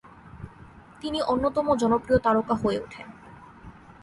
তিনি অন্যতম জনপ্রিয় তারকা হয়ে ওঠেন।